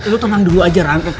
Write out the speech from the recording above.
lo tenang dulu aja rang